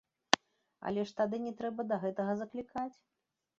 Але ж тады не трэба да гэтага заклікаць.